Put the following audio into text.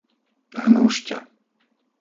Hnúšťa